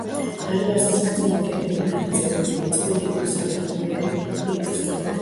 დარბაზის გრძივი კედლები დანაწევრებულია წყვილი ორსაფეხურიანი პილასტრით.